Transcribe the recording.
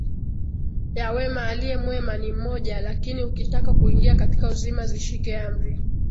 ya wema Aliye mwema ni mmoja Lakini ukitaka kuingia katika uzima zishike amri